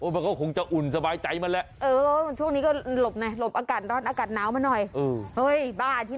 มันก็คงจะอุ่นสบายใจมาแล้ว